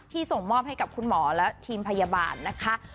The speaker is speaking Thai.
ส่งมอบให้กับคุณหมอและทีมพยาบาลนะคะ